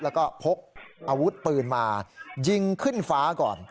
แล้วก็พกอาวุธปืนมายิงขึ้นฟ้าก่อน